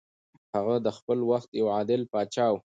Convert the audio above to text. هغه د خپل وخت یو عادل پاچا و.